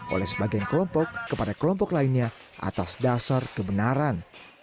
oleh sebagian kelompok kepada kelompok lainnya atas dasar kebenaran